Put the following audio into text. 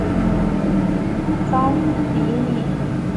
桑蒂利。